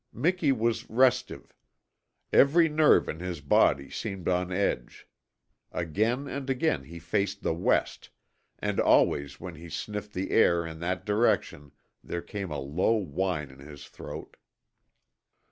Miki was restive. Every nerve in his body seemed on edge. Again and again he faced the west, and always when he sniffed the air in that direction there came a low whine in his throat.